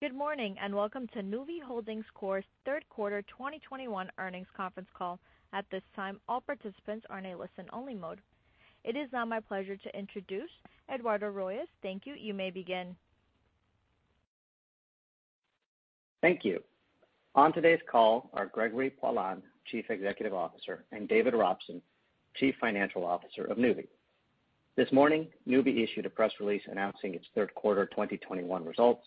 Good morning, and welcome to Nuvve Holding Corp.'s third quarter 2021 earnings conference call. At this time, all participants are in a listen-only mode. It is now my pleasure to introduce Eduardo Royes. Thank you. You may begin. Thank you. On today's call are Gregory Poilasne, Chief Executive Officer, and David Robson, Chief Financial Officer of Nuvve. This morning, Nuvve issued a press release announcing its third quarter 2021 results.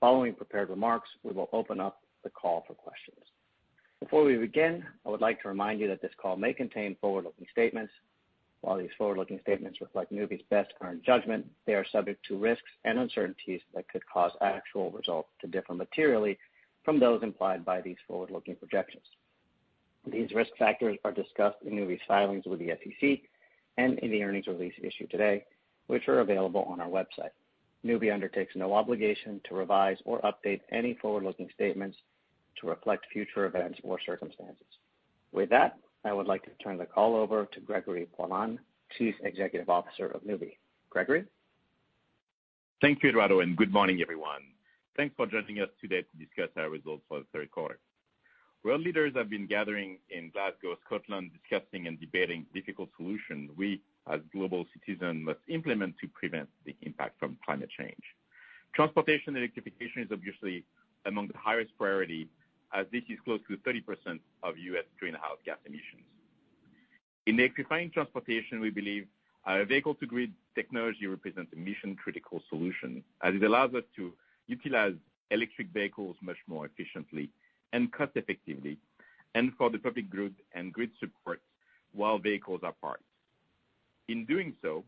Following prepared remarks, we will open up the call for questions. Before we begin, I would like to remind you that this call may contain forward-looking statements. While these forward-looking statements reflect Nuvve's best current judgment, they are subject to risks and uncertainties that could cause actual results to differ materially from those implied by these forward-looking projections. These risk factors are discussed in Nuvve's filings with the SEC and in the earnings release issued today, which are available on our website. Nuvve undertakes no obligation to revise or update any forward-looking statements to reflect future events or circumstances. With that, I would like to turn the call over to Gregory Poilasne, Chief Executive Officer of Nuvve. Gregory? Thank you, Eduardo, and good morning, everyone. Thanks for joining us today to discuss our results for the third quarter. World leaders have been gathering in Glasgow, Scotland, discussing and debating difficult solutions we, as global citizens, must implement to prevent the impact from climate change. Transportation electrification is obviously among the highest priority as this is close to 30% of U.S. greenhouse gas emissions. In electrifying transportation, we believe our vehicle-to-grid technology represents a mission-critical solution, as it allows us to utilize electric vehicles much more efficiently and cost effectively and for the public good and grid support while vehicles are parked. In doing so,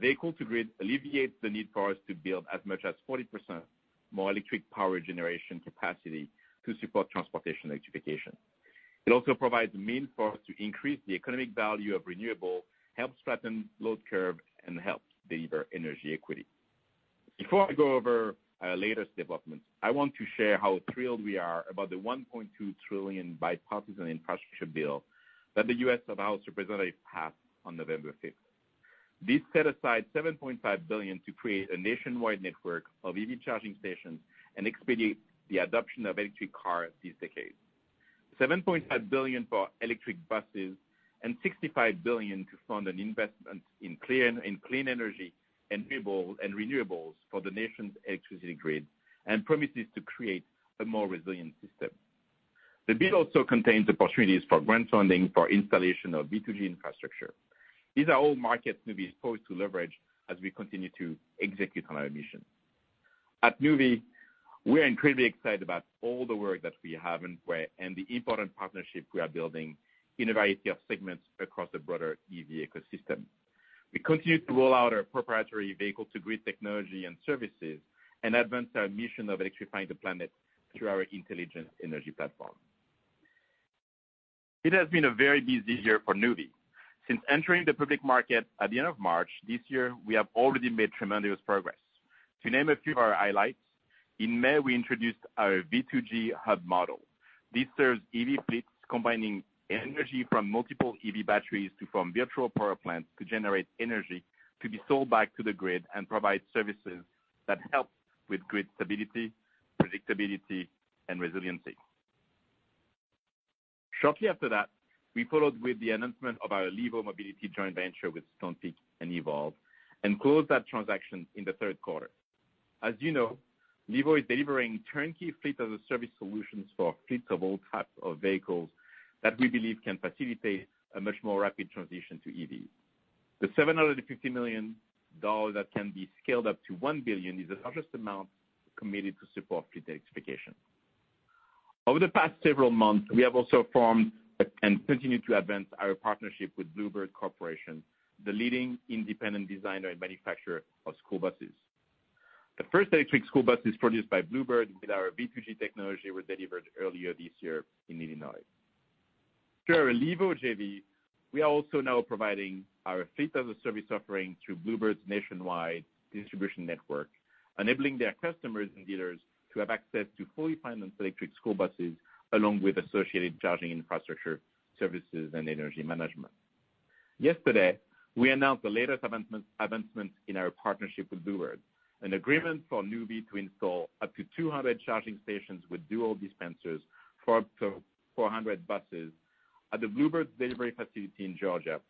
vehicle-to-grid alleviates the need for us to build as much as 40% more electric power generation capacity to support transportation electrification. It also provides a means for us to increase the economic value of renewables, help flatten load curve, and help deliver energy equity. Before I go over our latest developments, I want to share how thrilled we are about the $1.2 trillion bipartisan infrastructure bill that the US House of Representatives passed on November 5. This set aside $7.5 billion to create a nationwide network of EV charging stations and expedite the adoption of electric cars this decade. $7.5 billion for electric buses and $65 billion to fund an investment in clean energy and renewables for the nation's electricity grid and promises to create a more resilient system. The bill also contains opportunities for grant funding for installation of V2G infrastructure. These are all markets Nuvve is poised to leverage as we continue to execute on our mission. At Nuvve, we are incredibly excited about all the work that we have in play and the important partnership we are building in a variety of segments across the broader EV ecosystem. We continue to roll out our proprietary vehicle-to-grid technology and services and advance our mission of electrifying the planet through our intelligent energy platform. It has been a very busy year for Nuvve. Since entering the public market at the end of March this year, we have already made tremendous progress. To name a few of our highlights, in May, we introduced our V2G hub model. This serves EV fleets, combining energy from multiple EV batteries to form virtual power plants to generate energy to be sold back to the grid and provide services that help with grid stability, predictability, and resiliency. Shortly after that, we followed with the announcement of our Levo Mobility joint venture with Stonepeak and Evolve and closed that transaction in the third quarter. As you know, Levo is delivering turnkey fleet as-a-service solutions for fleets of all types of vehicles that we believe can facilitate a much more rapid transition to EV. The $750 million that can be scaled up to $1 billion is the largest amount committed to support fleet electrification. Over the past several months, we have also formed and continue to advance our partnership with Blue Bird Corporation, the leading independent designer and manufacturer of school buses. The first electric school bus produced by Blue Bird with our V2G technology was delivered earlier this year in Illinois. Through our Levo JV, we are also now providing our fleet-as-a-service offering through Blue Bird's nationwide distribution network, enabling their customers and dealers to have access to fully financed electric school buses, along with associated charging infrastructure, services, and energy management. Yesterday, we announced the latest advancement in our partnership with Blue Bird, an agreement for Nuvve to install up to 200 charging stations with dual dispensers for up to 400 buses at the Blue Bird delivery facility in Georgia,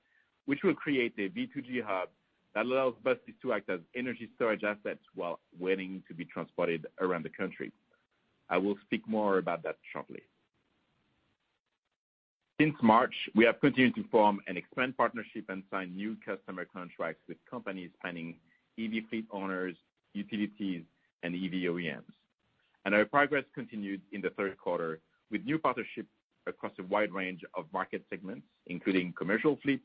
which will create a V2G hub that allows buses to act as energy storage assets while waiting to be transported around the country. I will speak more about that shortly. Since March, we have continued to form and expand partnerships and sign new customer contracts with companies spanning EV fleet owners, utilities, and EV OEMs. Our progress continued in the third quarter with new partnerships across a wide range of market segments, including commercial fleets,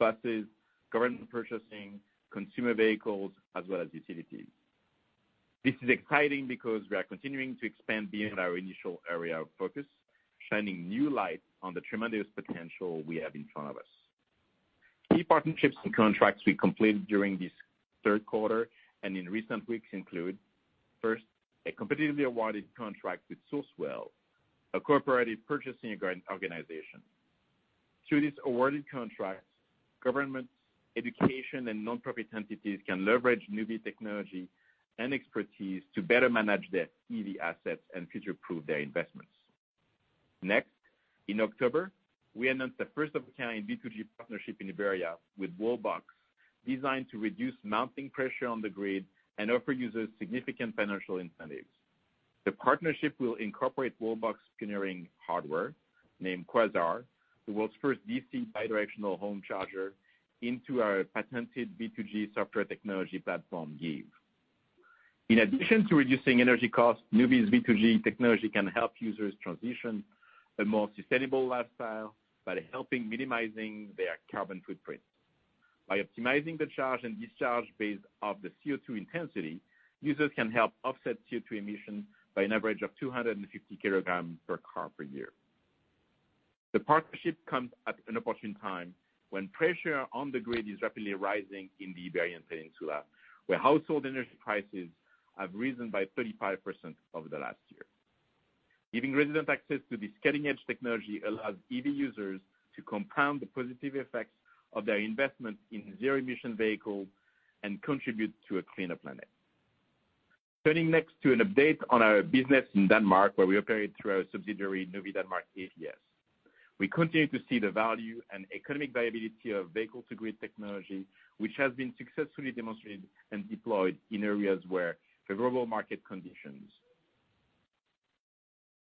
buses, government purchasing, consumer vehicles, as well as utilities. This is exciting because we are continuing to expand beyond our initial area of focus, shining new light on the tremendous potential we have in front of us. Key partnerships and contracts we completed during this third quarter and in recent weeks include, first, a competitively awarded contract with Sourcewell, a cooperative purchasing organization. Through this awarded contract, government education and nonprofit entities can leverage Nuvve technology and expertise to better manage their EV assets and future-proof their investments. Next, in October, we announced the first of a kind B2G partnership in Iberia with Wallbox, designed to reduce mounting pressure on the grid and offer users significant financial incentives. The partnership will incorporate Wallbox pioneering hardware, named Quasar, the world's first DC bi-directional home charger, into our patented V2G software technology platform, GIVe. In addition to reducing energy costs, Nuvve's V2G technology can help users transition to a more sustainable lifestyle by helping to minimize their carbon footprint. By optimizing the charge and discharge based on the CO2 intensity, users can help offset CO2 emissions by an average of 250 kilograms per car per year. The partnership comes at an opportune time, when pressure on the grid is rapidly rising in the Iberian Peninsula, where household energy prices have risen by 35% over the last year. Giving residents access to this cutting edge technology allows EV users to compound the positive effects of their investment in zero-emission vehicles and contribute to a cleaner planet. Turning next to an update on our business in Denmark, where we operate through our subsidiary, Nuvve Denmark ApS. We continue to see the value and economic viability of vehicle-to-grid technology, which has been successfully demonstrated and deployed in areas where favorable market conditions.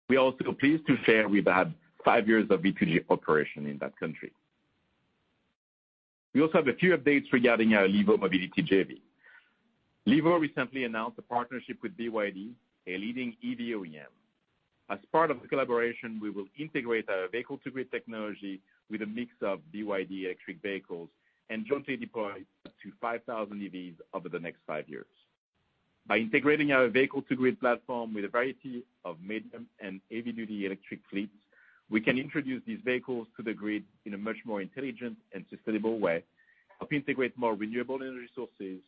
We are also pleased to share we've had five years of B2G operation in that country. We also have a few updates regarding our Levo Mobility JV. Levo recently announced a partnership with BYD, a leading EV OEM. As part of the collaboration, we will integrate our vehicle-to-grid technology with a mix of BYD electric vehicles and jointly deploy up to 5,000 EVs over the next five years. By integrating our vehicle-to-grid platform with a variety of medium and heavy-duty electric fleets, we can introduce these vehicles to the grid in a much more intelligent and sustainable way, help integrate more renewable resources,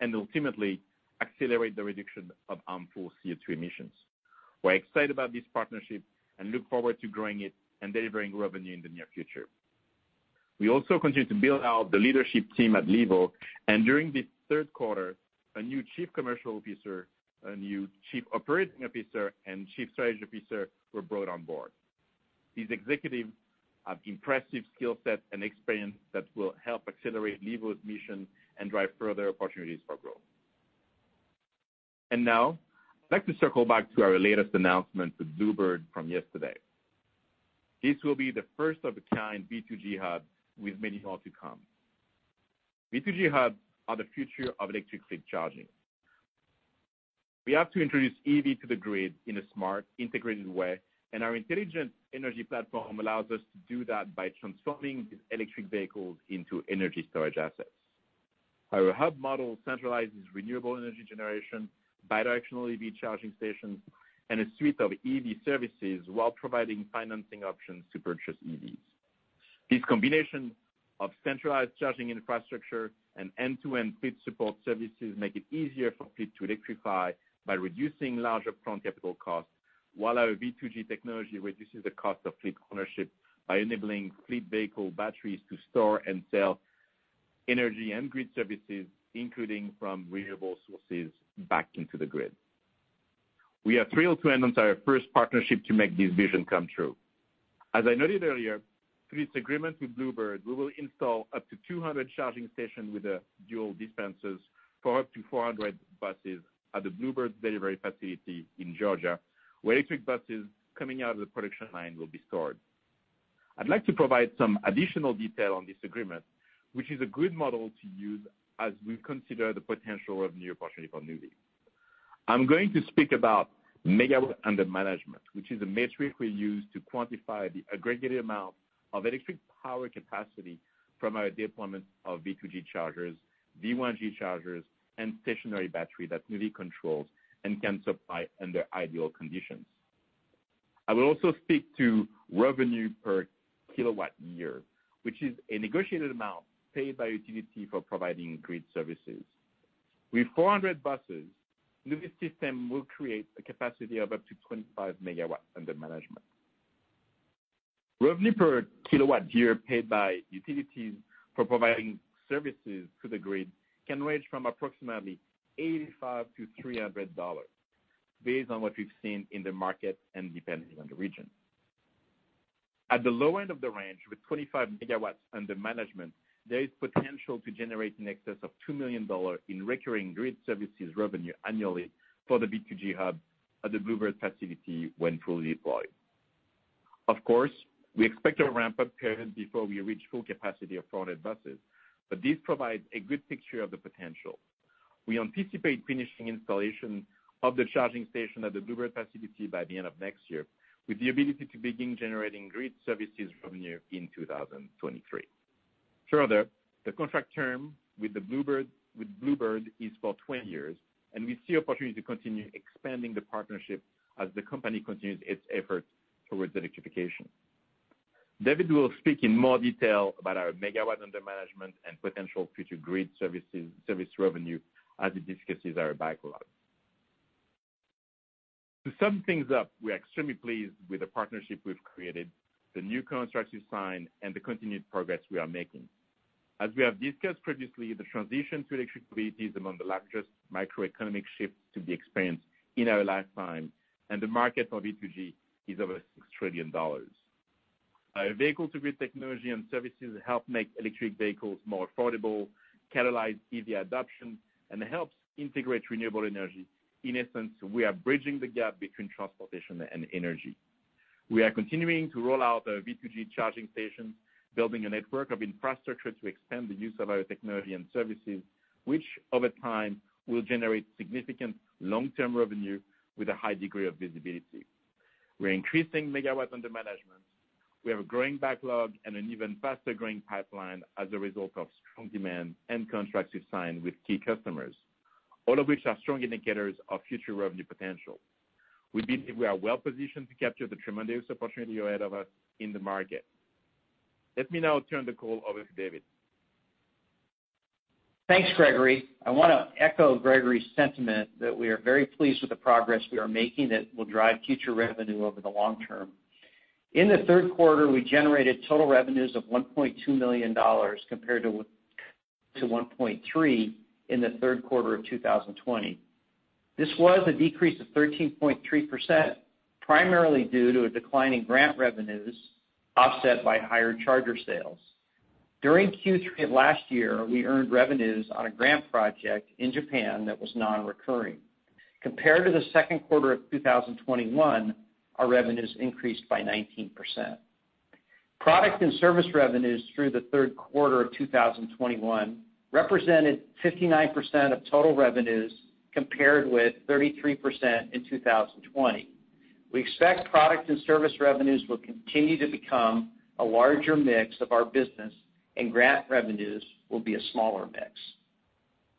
and ultimately accelerate the reduction of harmful CO2 emissions. We're excited about this partnership and look forward to growing it and delivering revenue in the near future. We also continue to build out the leadership team at Levo, and during this third quarter, a new chief commercial officer, a new chief operating officer, and chief strategy officer were brought on board. These executives have impressive skill set and experience that will help accelerate Levo's mission and drive further opportunities for growth. Now, I'd like to circle back to our latest announcement with Blue Bird from yesterday. This will be the first of a kind V2G hub with many more to come. V2G hubs are the future of electric fleet charging. We have to introduce EV to the grid in a smart, integrated way, and our intelligent energy platform allows us to do that by transforming these electric vehicles into energy storage assets. Our hub model centralizes renewable energy generation, bi-directional EV charging stations, and a suite of EV services while providing financing options to purchase EVs. This combination of centralized charging infrastructure and end-to-end fleet support services make it easier for fleet to electrify by reducing larger front capital costs, while our V2G technology reduces the cost of fleet ownership by enabling fleet vehicle batteries to store and sell energy and grid services, including from renewable sources back into the grid. We are thrilled to announce our first partnership to make this vision come true. As I noted earlier, through this agreement with Blue Bird, we will install up to 200 charging stations with dual dispensers for up to 400 buses at the Blue Bird delivery facility in Georgia, where electric buses coming out of the production line will be stored. I'd like to provide some additional detail on this agreement, which is a good model to use as we consider the potential of new opportunity for Nuvve. I'm going to speak about megawatt under management, which is a metric we use to quantify the aggregated amount of electric power capacity from our deployment of V2G chargers, V1G chargers, and stationary battery that Nuvve controls and can supply under ideal conditions. I will also speak to revenue per kilowatt year, which is a negotiated amount paid by utility for providing grid services. With 400 buses, Nuvve's system will create a capacity of up to 25 megawatts under management. Revenue per kilowatt year paid by utilities for providing services to the grid can range from approximately $85-$300 based on what we've seen in the market and depending on the region. At the low end of the range, with 25 megawatts under management, there is potential to generate in excess of $2 million in recurring grid services revenue annually for the B2G hub at the Blue Bird facility when fully deployed. Of course, we expect a ramp-up period before we reach full capacity of 400 buses, but this provides a good picture of the potential. We anticipate finishing installation of the charging station at the Blue Bird facility by the end of next year, with the ability to begin generating grid services revenue in 2023. Further, the contract term with Blue Bird is for 20 years, and we see opportunity to continue expanding the partnership as the company continues its efforts towards electrification. David will speak in more detail about our megawatts under management and potential future grid services, service revenue as he discusses our backlog. To sum things up, we are extremely pleased with the partnership we've created, the new contracts we've signed, and the continued progress we are making. As we have discussed previously, the transition to electric mobility is among the largest microeconomic shifts to be experienced in our lifetime, and the market for V2G is over $6 trillion. Our vehicle-to-grid technology and services help make electric vehicles more affordable, catalyze EV adoption, and helps integrate renewable energy. In essence, we are bridging the gap between transportation and energy. We are continuing to roll out our V2G charging stations, building a network of infrastructure to expand the use of our technology and services, which over time, will generate significant long-term revenue with a high degree of visibility. We're increasing megawatts under management. We have a growing backlog and an even faster-growing pipeline as a result of strong demand and contracts we've signed with key customers, all of which are strong indicators of future revenue potential. We believe we are well-positioned to capture the tremendous opportunity ahead of us in the market. Let me now turn the call over to David. Thanks, Gregory. I wanna echo Gregory's sentiment that we are very pleased with the progress we are making that will drive future revenue over the long term. In the third quarter, we generated total revenues of $1.2 million compared to $1.3 million in the third quarter of 2020. This was a decrease of 13.3%, primarily due to a decline in grant revenues offset by higher charger sales. During Q3 of last year, we earned revenues on a grant project in Japan that was non-recurring. Compared to the second quarter of 2021, our revenues increased by 19%. Product and service revenues through the third quarter of 2021 represented 59% of total revenues compared with 33% in 2020. We expect product and service revenues will continue to become a larger mix of our business and grant revenues will be a smaller mix.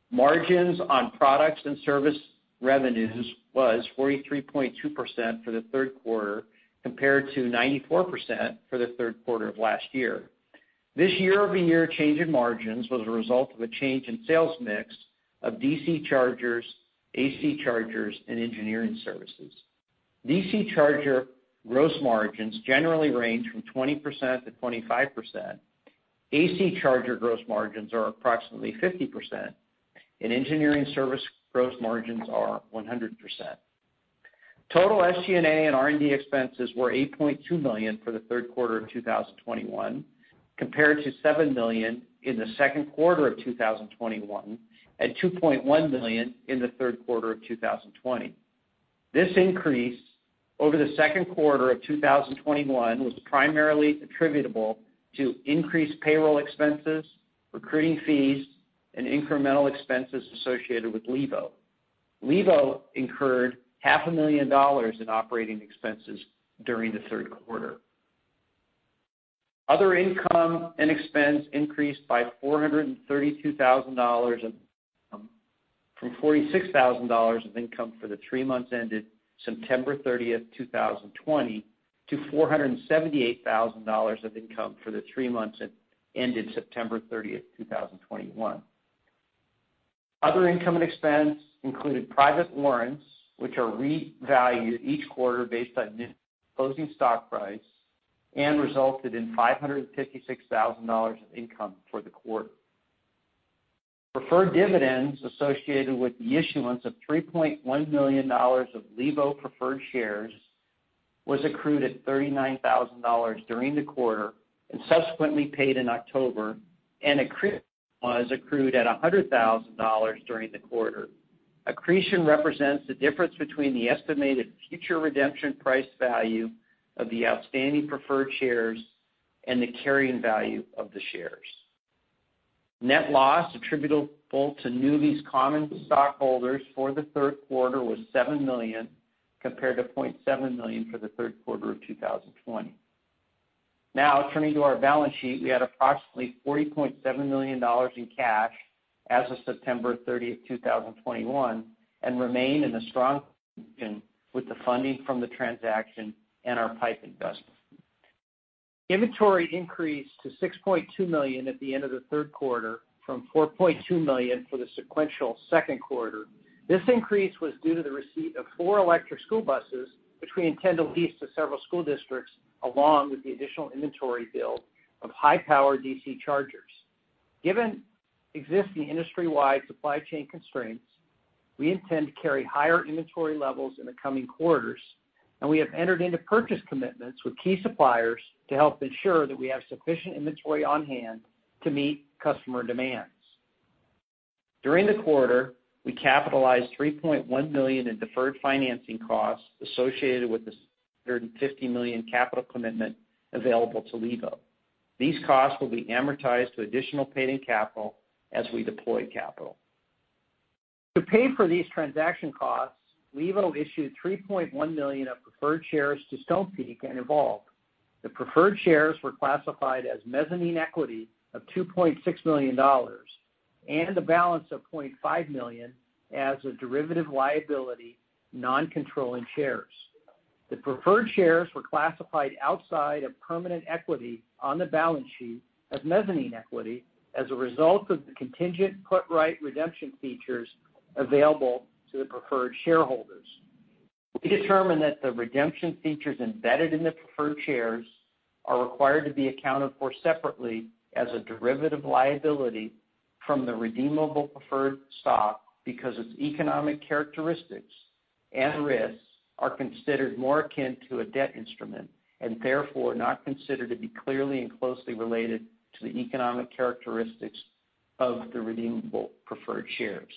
Margins on products and service revenues was 43.2% for the third quarter compared to 94% for the third quarter of last year. This year-over-year change in margins was a result of a change in sales mix of DC chargers, AC chargers, and engineering services. DC charger gross margins generally range from 20%-25%. AC charger gross margins are approximately 50%, and engineering service gross margins are 100%. Total SG&A and R&D expenses were $8.2 million for the third quarter of 2021, compared to $7 million in the second quarter of 2021, and $2.1 million in the third quarter of 2020. This increase over the second quarter of 2021 was primarily attributable to increased payroll expenses, recruiting fees, and incremental expenses associated with Levo. Levo incurred half a million dollars in operating expenses during the third quarter. Other income and expense increased by $432,000 of income from $46,000 of income for the three months ended September 30, 2020, to $478,000 of income for the three months ended September 30, 2021. Other income and expense included private warrants, which are revalued each quarter based on closing stock price and resulted in $556,000 of income for the quarter. Preferred dividends associated with the issuance of $3.1 million of Levo preferred shares was accrued at $39,000 during the quarter and subsequently paid in October, and accretion was accrued at $100,000 during the quarter. Accretion represents the difference between the estimated future redemption price value of the outstanding preferred shares and the carrying value of the shares. Net loss attributable to Nuvve's common stockholders for the third quarter was $7 million, compared to $0.7 million for the third quarter of 2020. Now, turning to our balance sheet. We had approximately $40.7 million in cash as of September 30, 2021, and remain in a strong with the funding from the transaction and our PIPE investment. Inventory increased to $6.2 million at the end of the third quarter from $4.2 million for the sequential second quarter. This increase was due to the receipt of four electric school buses, which we intend to lease to several school districts, along with the additional inventory build of high-power DC chargers. Given existing industry-wide supply chain constraints, we intend to carry higher inventory levels in the coming quarters, and we have entered into purchase commitments with key suppliers to help ensure that we have sufficient inventory on hand to meet customer demands. During the quarter, we capitalized $3.1 million in deferred financing costs associated with the $150 million capital commitment available to Levo. These costs will be amortized to additional paid-in capital as we deploy capital. To pay for these transaction costs, Levo issued 3.1 million of preferred shares to Stonepeak and Evolve. The preferred shares were classified as mezzanine equity of $2.6 million, and the balance of $0.5 million as a derivative liability non-controlling share. The preferred shares were classified outside of permanent equity on the balance sheet as mezzanine equity as a result of the contingent put right redemption features available to the preferred shareholders. We determined that the redemption features embedded in the preferred shares are required to be accounted for separately as a derivative liability from the redeemable preferred stock because its economic characteristics and risks are considered more akin to a debt instrument and therefore not considered to be clearly and closely related to the economic characteristics of the redeemable preferred shares.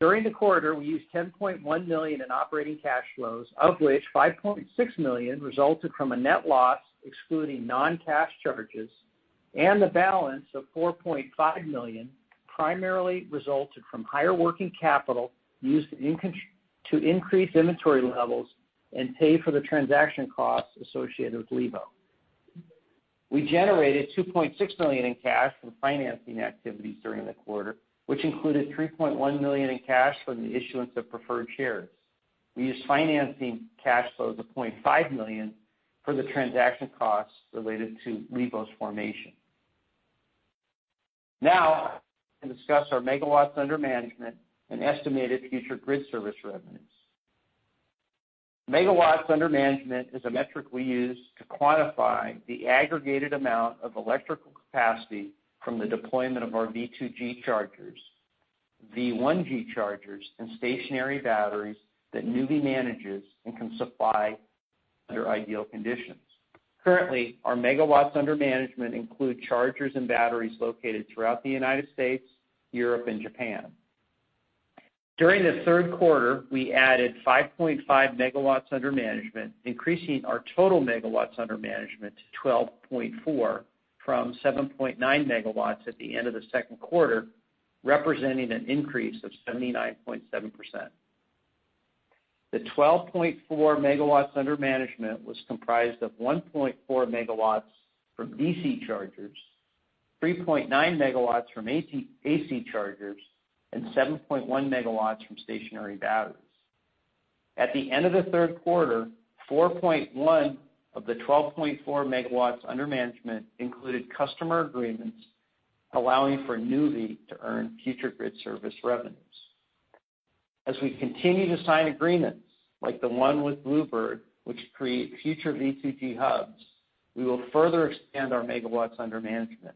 During the quarter, we used $10.1 million in operating cash flows, of which $5.6 million resulted from a net loss, excluding non-cash charges, and the balance of $4.5 million primarily resulted from higher working capital used to increase inventory levels and pay for the transaction costs associated with Levo. We generated $2.6 million in cash from financing activities during the quarter, which included $3.1 million in cash from the issuance of preferred shares. We used financing cash flows of $0.5 million for the transaction costs related to Levo's formation. Now I'll discuss our megawatts under management and estimated future grid service revenues. Megawatts under management is a metric we use to quantify the aggregated amount of electrical capacity from the deployment of our V2G chargers, V1G chargers, and stationary batteries that Nuvve manages and can supply under ideal conditions. Currently, our megawatts under management include chargers and batteries located throughout the United States, Europe, and Japan. During the third quarter, we added 5.5 megawatts under management, increasing our total megawatts under management to 12.4 from 7.9 megawatts at the end of the second quarter, representing an increase of 79.7%. The 12.4 megawatts under management was comprised of 1.4 megawatts from DC chargers, 3.9 megawatts from AC chargers, and 7.1 megawatts from stationary batteries. At the end of the third quarter, 4.1 of the 12.4 megawatts under management included customer agreements, allowing for Nuvve to earn future grid service revenues. As we continue to sign agreements like the one with Blue Bird, which create future V2G hubs, we will further expand our megawatts under management.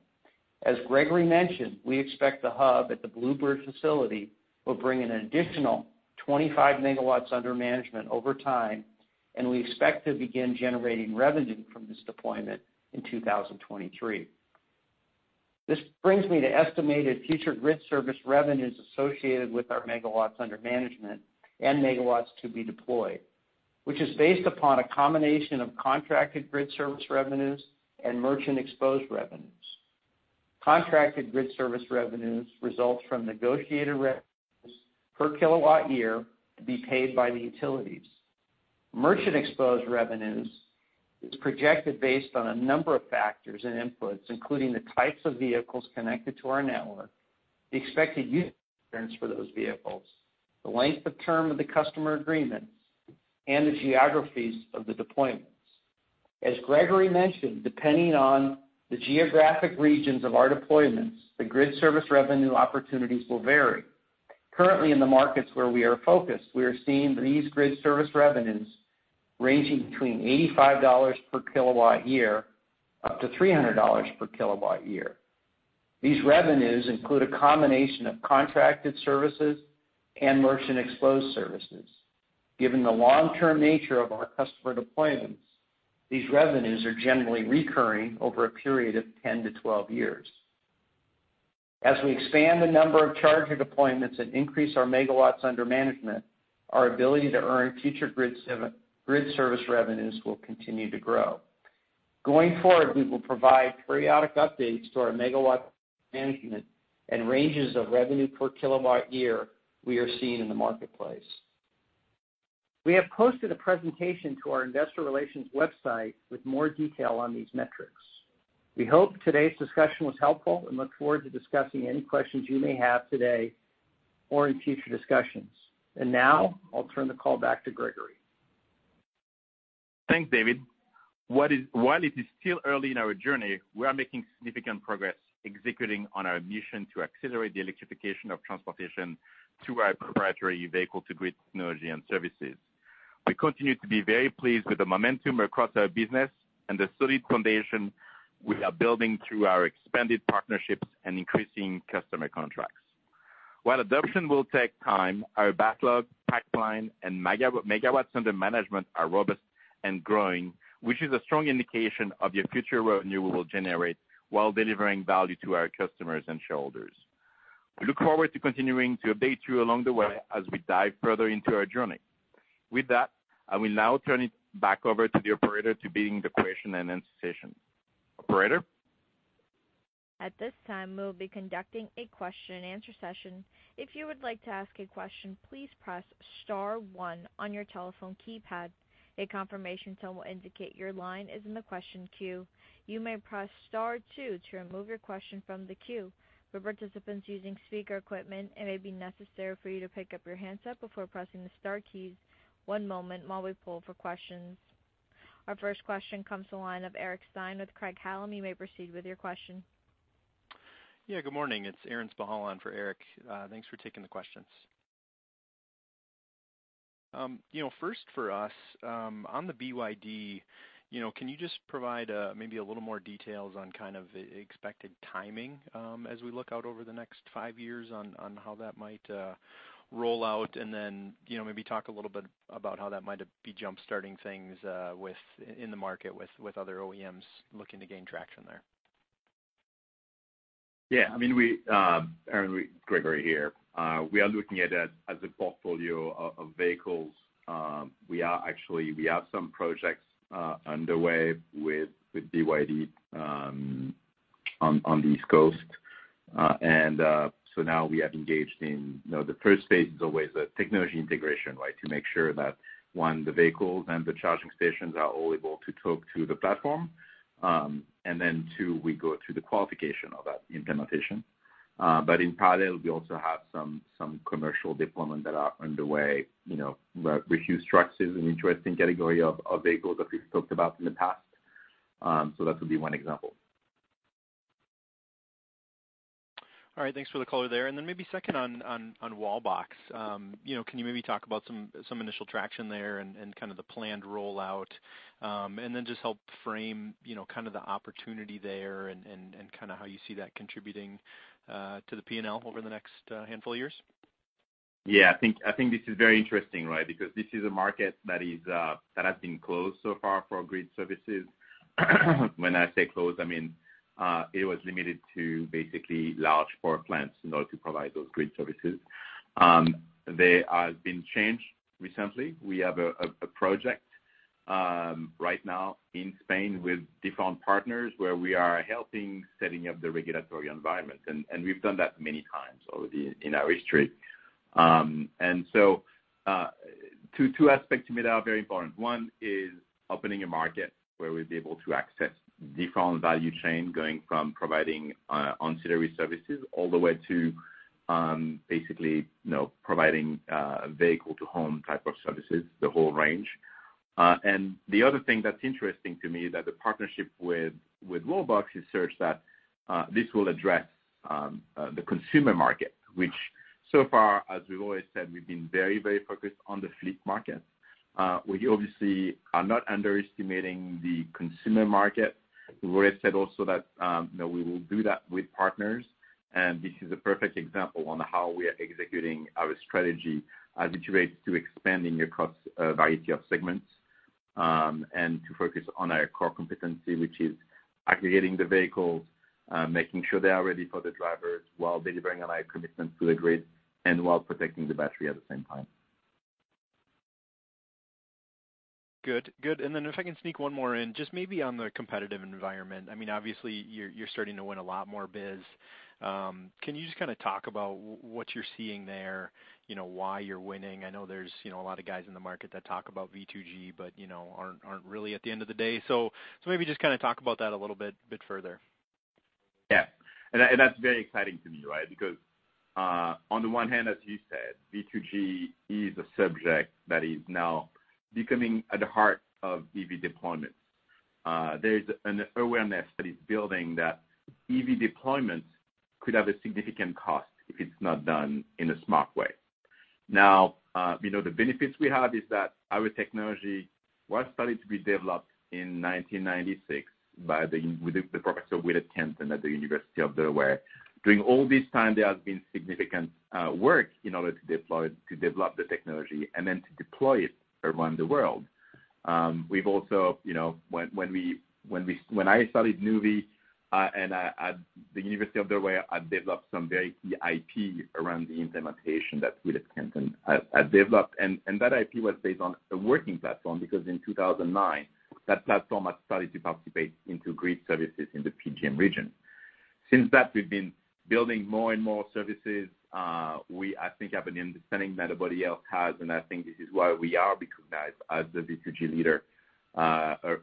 As Gregory mentioned, we expect the hub at the Blue Bird facility will bring an additional 25 megawatts under management over time, and we expect to begin generating revenue from this deployment in 2023. This brings me to estimated future grid service revenues associated with our megawatts under management and megawatts to be deployed, which is based upon a combination of contracted grid service revenues and merchant exposed revenues. Contracted grid service revenues results from negotiated per kilowatt per year to be paid by the utilities. Merchant exposed revenues is projected based on a number of factors and inputs, including the types of vehicles connected to our network, the expected use for those vehicles, the length of term of the customer agreements, and the geographies of the deployments. As Gregory mentioned, depending on the geographic regions of our deployments, the grid service revenue opportunities will vary. Currently, in the markets where we are focused, we are seeing these grid service revenues ranging between $85 per kilowatt per year up to $300 per kilowatt per year. These revenues include a combination of contracted services and merchant exposed services. Given the long-term nature of our customer deployments, these revenues are generally recurring over a period of 10-12 years. As we expand the number of charger deployments and increase our megawatts under management, our ability to earn future grid service revenues will continue to grow. Going forward, we will provide periodic updates to our megawatts management and ranges of revenue per kilowatt year we are seeing in the marketplace. We have posted a presentation to our investor relations website with more detail on these metrics. We hope today's discussion was helpful and look forward to discussing any questions you may have today or in future discussions. Now I'll turn the call back to Gregory. Thanks, David. While it is still early in our journey, we are making significant progress executing on our mission to accelerate the electrification of transportation through our proprietary vehicle-to-grid technology and services. We continue to be very pleased with the momentum across our business and the solid foundation we are building through our expanded partnerships and increasing customer contracts. While adoption will take time, our backlog, pipeline, and megawatts under management are robust and growing, which is a strong indication of the future revenue we will generate while delivering value to our customers and shareholders. We look forward to continuing to update you along the way as we dive further into our journey. With that, I will now turn it back over to the operator to begin the question and answer session. Operator? At this time, we will be conducting a question and answer session. If you would like to ask a question, please press star one on your telephone keypad. A confirmation tone will indicate your line is in the question queue. You may press star two to remove your question from the queue. For participants using speaker equipment, it may be necessary for you to pick up your handset before pressing the star key. One moment while we pull for questions. Our first question comes to the line of Eric Stein with Craig-Hallum. You may proceed with your question. Yeah, good morning. It's Aaron Spychalla on for Eric. Thanks for taking the questions. You know, first for us, on the BYD, you know, can you just provide maybe a little more details on kind of expected timing, as we look out over the next five years on how that might roll out? You know, maybe talk a little bit about how that might be jump-starting things with in the market with other OEMs looking to gain traction there. Yeah. I mean, Aaron, Gregory here. We are looking at it as a portfolio of vehicles. We actually have some projects underway with BYD on the East Coast. Now we have engaged in, you know, the first phase is always the technology integration, right? To make sure that one, the vehicles and the charging stations are all able to talk to the platform. Then two, we go through the qualification of that implementation. In parallel, we also have some commercial deployment that are underway, you know, where huge trucks is an interesting category of vehicles that we've talked about in the past. That would be one example. All right. Thanks for the color there. Maybe second on Wallbox. You know, can you maybe talk about some initial traction there and kind of the planned rollout? Just help frame, you know, kind of the opportunity there and kind of how you see that contributing to the P&L over the next handful of years. Yeah. I think this is very interesting, right? Because this is a market that has been closed so far for grid services. When I say closed, I mean it was limited to basically large power plants in order to provide those grid services. They have been changed recently. We have a project right now in Spain with different partners where we are helping setting up the regulatory environment. We've done that many times already in our history. Two aspects to me that are very important. One is opening a market where we'll be able to access different value chain going from providing ancillary services all the way to basically, you know, providing vehicle to home type of services, the whole range. The other thing that's interesting to me that the partnership with Wallbox is such that this will address the consumer market, which so far, as we've always said, we've been very, very focused on the fleet market. We obviously are not underestimating the consumer market. We've always said also that, you know, we will do that with partners, and this is a perfect example on how we are executing our strategy as it relates to expanding across a variety of segments, and to focus on our core competency, which is aggregating the vehicles, making sure they are ready for the drivers while delivering on our commitment to the grid and while protecting the battery at the same time. Good. Good. If I can sneak one more in, just maybe on the competitive environment. I mean, obviously, you're starting to win a lot more biz. Can you just kinda talk about what you're seeing there? You know, why you're winning. I know there's, you know, a lot of guys in the market that talk about V2G, but, you know, aren't really at the end of the day. Maybe just kinda talk about that a little bit further. Yeah. That's very exciting to me, right? Because, on the one hand, as you said, V2G is a subject that is now becoming at the heart of EV deployment. There's an awareness that is building that EV deployment could have a significant cost if it's not done in a smart way. Now, you know, the benefits we have is that our technology was started to be developed in 1996 with the professor Willett Kempton at the University of Delaware. During all this time, there has been significant work in order to deploy it, to develop the technology and then to deploy it around the world. We've also, you know, when I started Nuvve, and at the University of Delaware, I developed some very key IP around the implementation that Willett Kempton had developed. That IP was based on a working platform because in 2009, that platform had started to participate in grid services in the PJM region. Since then, we've been building more and more services. We, I think, have an understanding that nobody else has, and I think this is why we are recognized as the V2G leader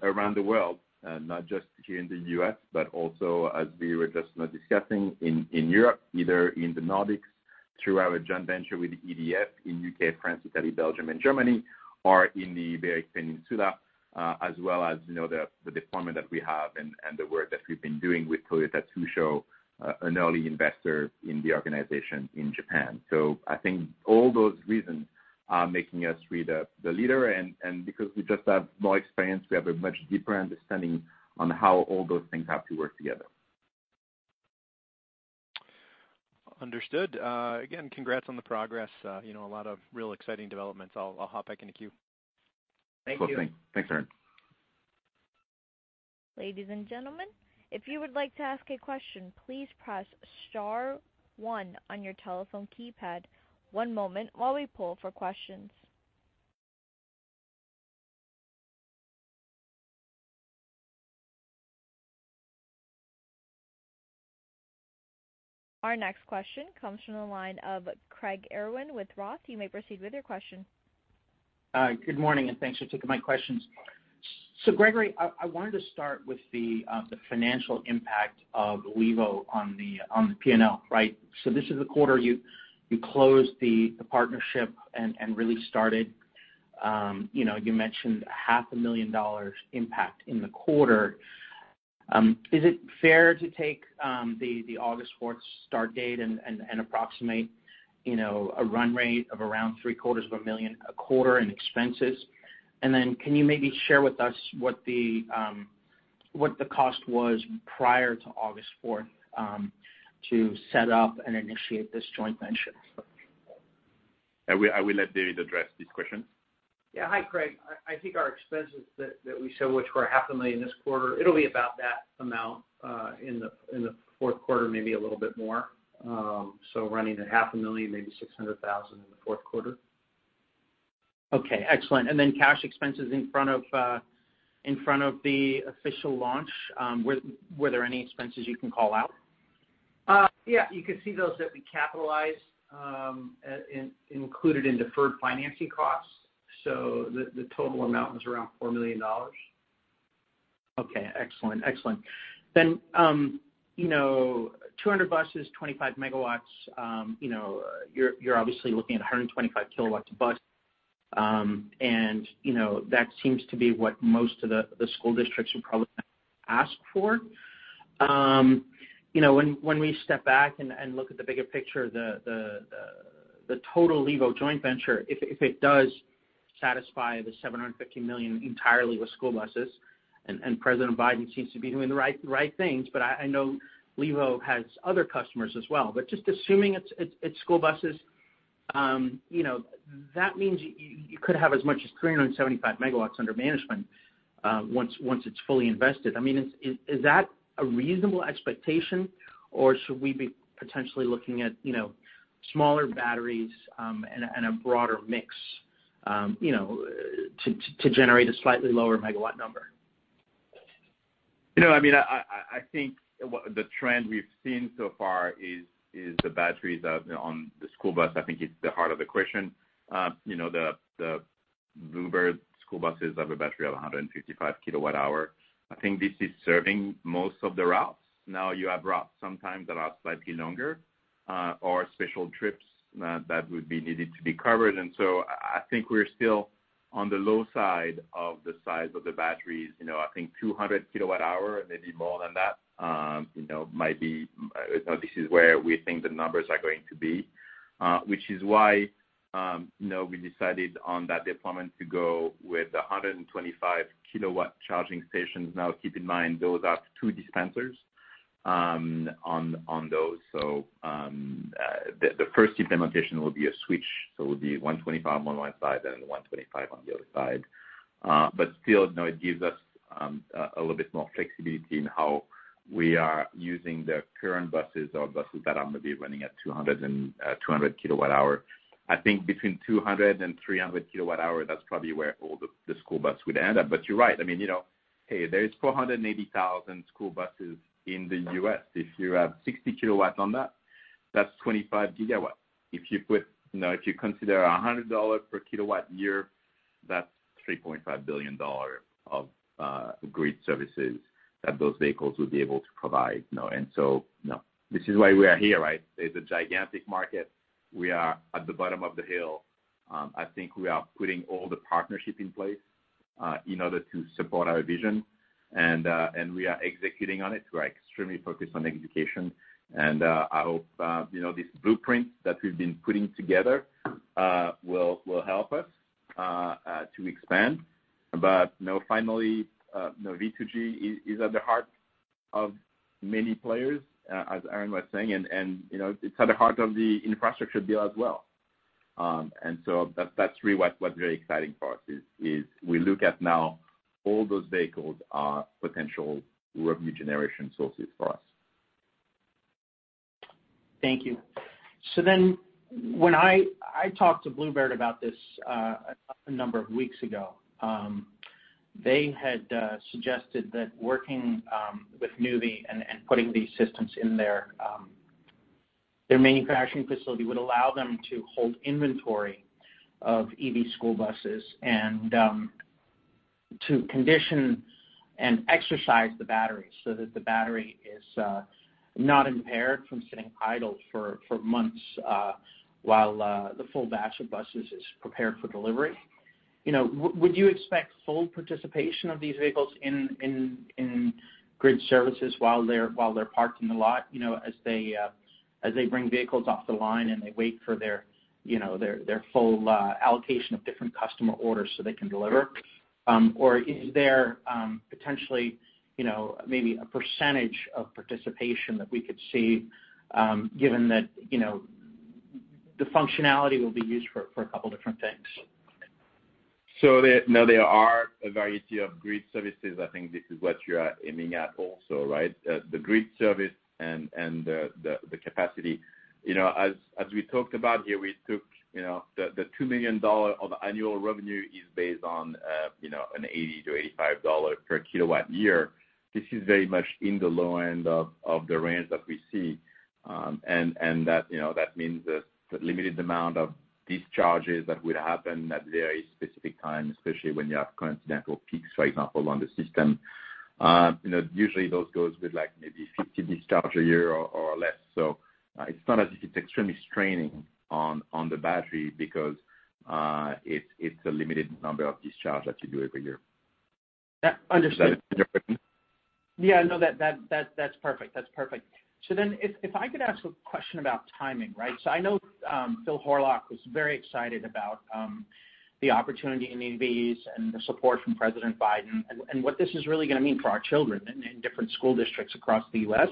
around the world, not just here in the U.S., but also as we were just now discussing in Europe, either in the Nordics, through our joint venture with EDF in U.K., France, Italy, Belgium, and Germany, or in the Iberian Peninsula, as well as, you know, the deployment that we have and the work that we've been doing with Toyota Tsusho, an early investor in the organization in Japan. I think all those reasons are making us the leader. Because we just have more experience, we have a much deeper understanding of how all those things have to work together. Understood. Again, congrats on the progress. You know, a lot of real exciting developments. I'll hop back in the queue. Thank you. Thanks, Aaron. Ladies and gentlemen, if you would like to ask a question, please press star one on your telephone keypad. One moment while we poll for questions. Our next question comes from the line of Craig Irwin with Roth. You may proceed with your question. Good morning, and thanks for taking my questions. Gregory, I wanted to start with the financial impact of Nuvve on the P&L, right? This is the quarter you closed the partnership and really started. You know, you mentioned half a million dollars impact in the quarter. Is it fair to take the August fourth start date and approximate, you know, a run rate of around three quarters of a million a quarter in expenses? Can you maybe share with us what the cost was prior to August fourth to set up and initiate this joint venture? I will let David address this question. Yeah. Hi, Craig. I think our expenses that we show, which were $ half a million this quarter, it'll be about that amount in the fourth quarter, maybe a little bit more. So running at $ half a million, maybe $600,000 in the fourth quarter. Okay. Excellent. Cash expenses in front of the official launch, were there any expenses you can call out? You could see those that we capitalize, included in deferred financing costs. The total amount was around $4 million. Okay. Excellent. You know, 200 buses, 25 MW, you know, you're obviously looking at 125 kW a bus. You know, that seems to be what most of the school districts would probably ask for. You know, when we step back and look at the bigger picture, the total Levo joint venture, if it does satisfy the $750 million entirely with school buses, and President Biden seems to be doing the right things. I know Levo has other customers as well. Just assuming it's school buses, you know, that means you could have as much as 375 MW under management once it's fully invested. I mean, is that a reasonable expectation, or should we be potentially looking at, you know, smaller batteries, and a broader mix, you know, to generate a slightly lower megawatt number? You know, I mean, I think the trend we've seen so far is the batteries of, you know, on the school bus. I think it's the heart of the question. You know, the Blue Bird school buses have a battery of 155 kWh. I think this is serving most of the routes. Now, you have routes sometimes that are slightly longer or special trips that would be needed to be covered. I think we're still on the low side of the size of the batteries. You know, I think 200 kWh, maybe more than that, you know, might be, you know, this is where we think the numbers are going to be. Which is why, you know, we decided on that deployment to go with 125 kW charging stations. Now, keep in mind those are two dispensers on those. The first implementation will be a switch, so it will be 125 on one side and 125 on the other side. But still, you know, it gives us a little bit more flexibility in how we are using the current buses or buses that are maybe running at 200 kWh. I think between 200 and 300 kWh, that's probably where all the school bus would end up. But you're right. I mean, you know, hey, there's 480,000 school buses in the U.S. If you have 60 kW on that's 25 GW. If you put, you know, if you consider $100 per kilowatt year, that's $3.5 billion of grid services that those vehicles will be able to provide. You know, this is why we are here, right? There's a gigantic market. We are at the bottom of the hill. I think we are putting all the partnership in place in order to support our vision, and we are executing on it. We are extremely focused on education, and I hope, you know, this blueprint that we've been putting together will help us to expand. You know, finally, V2G is at the heart of many players, as Aaron was saying, and you know, it's at the heart of the infrastructure deal as well. That's really what's very exciting for us is we look at now all those vehicles are potential revenue generation sources for us. Thank you. When I talked to Blue Bird about this a number of weeks ago, they had suggested that working with Nuvve and putting these systems in their manufacturing facility would allow them to hold inventory of EV school buses and to condition and exercise the battery so that the battery is not impaired from sitting idle for months while the full batch of buses is prepared for delivery. You know, would you expect full participation of these vehicles in grid services while they're parked in the lot, you know, as they bring vehicles off the line and they wait for their, you know, full allocation of different customer orders so they can deliver? Is there potentially, you know, maybe a percentage of participation that we could see, given that, you know, the functionality will be used for a couple different things? There are a variety of grid services. I think this is what you're aiming at also, right? The grid service and the capacity. As we talked about here, we took the $2 million of annual revenue is based on an $80-$85 per kilowatt year. This is very much in the low end of the range that we see. And that means that the limited amount of discharges that would happen at very specific times, especially when you have coincidental peaks, for example, on the system, usually those goes with like maybe 50 discharge a year or less. It's not as if it's extremely straining on the battery because it's a limited number of discharge that you do every year. Understood. Does that answer your question? Yeah, no. That's perfect. That's perfect. If I could ask a question about timing, right? I know Phil Horlock was very excited about the opportunity in EVs and the support from President Biden and what this is really gonna mean for our children in different school districts across the U.S.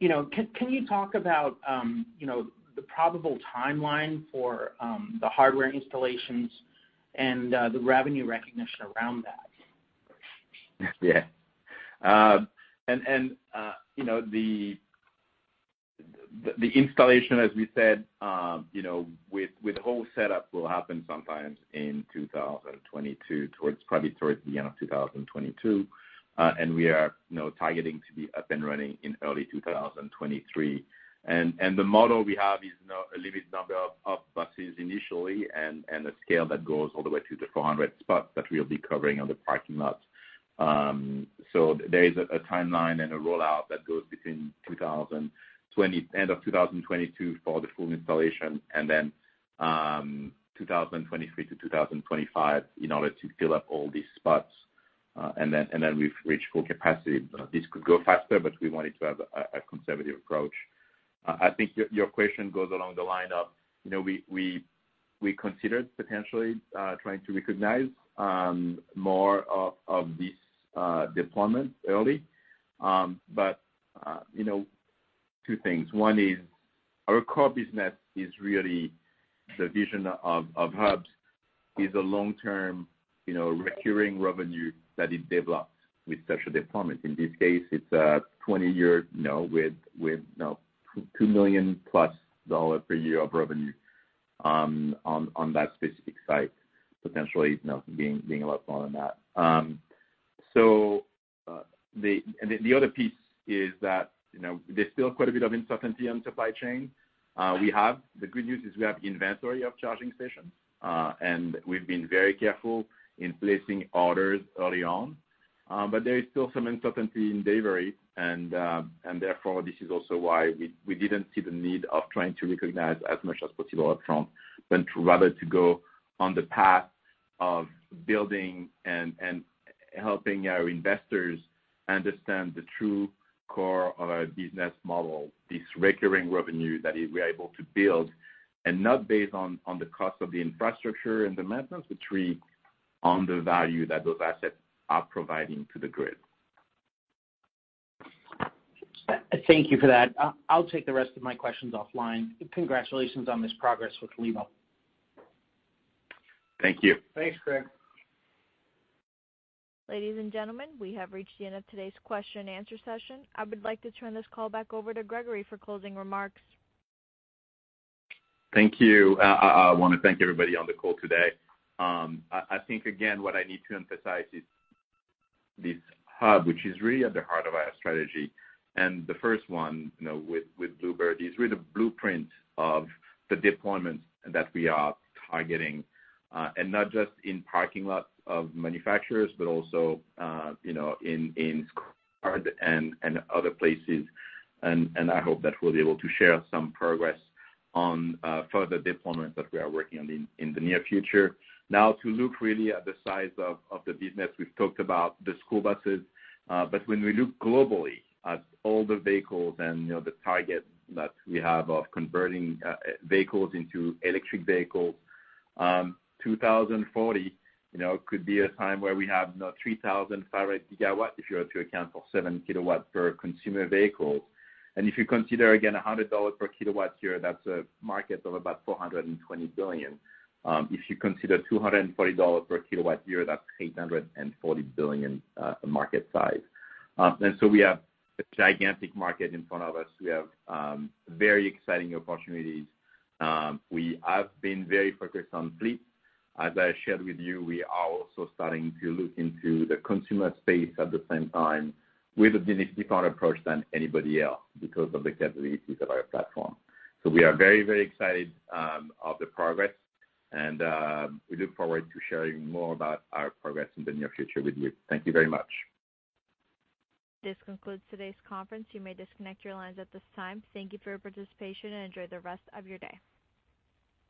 You know, can you talk about you know, the probable timeline for the hardware installations and the revenue recognition around that? Yeah, you know, the installation as we said, you know, with the whole setup will happen sometimes in 2022, probably towards the end of 2022. We are you know, targeting to be up and running in early 2023. The model we have is now a limited number of buses initially and a scale that goes all the way to the 400 spots that we'll be covering on the parking lot. There is a timeline and a rollout that goes between end of 2022 for the full installation, and then 2023-2025 in order to fill up all these spots. Then we've reached full capacity. This could go faster, but we wanted to have a conservative approach. I think your question goes along the line of, you know, we considered potentially trying to recognize more of this deployment early. You know, two things. One is our core business is really the vision of hubs is a long-term, you know, recurring revenue that is developed with such a deployment. In this case, it's a 20-year, you know, with $2 million+ per year of revenue on that specific site, potentially, you know, being a lot more than that. The other piece is that, you know, there's still quite a bit of uncertainty on supply chain. The good news is we have inventory of charging stations, and we've been very careful in placing orders early on. There is still some uncertainty in delivery, and therefore, this is also why we didn't see the need of trying to recognize as much as possible up front, but rather to go on the path of building and helping our investors understand the true core of our business model, this recurring revenue that we're able to build and not based on the cost of the infrastructure and the maintenance, but really on the value that those assets are providing to the grid. Thank you for that. I'll take the rest of my questions offline. Congratulations on this progress with Levo. Thank you. Thanks, Greg. Ladies and gentlemen, we have reached the end of today's question and answer session. I would like to turn this call back over to Gregory for closing remarks. Thank you. I wanna thank everybody on the call today. I think again what I need to emphasize is this hub which is really at the heart of our strategy. The first one, you know, with Blue Bird is really the blueprint of the deployment that we are targeting, and not just in parking lots of manufacturers, but also, you know, in schools and other places. I hope that we'll be able to share some progress on further deployment that we are working on in the near future. Now to look really at the size of the business, we've talked about the school buses. When we look globally at all the vehicles and, you know, the target that we have of converting vehicles into electric vehicles, 2040, you know, could be a time where we have now 3,500 GW if you were to account for 7 kW per consumer vehicle. If you consider again $100 per kW here, that's a market of about $420 billion. If you consider $240 per kW year, that's $840 billion market size. We have a gigantic market in front of us. We have very exciting opportunities. We have been very focused on fleet. As I shared with you, we are also starting to look into the consumer space at the same time with a business different approach than anybody else because of the capabilities of our platform. We are very, very excited of the progress, and we look forward to sharing more about our progress in the near future with you. Thank you very much. This concludes today's conference. You may disconnect your lines at this time. Thank you for your participation, and enjoy the rest of your day.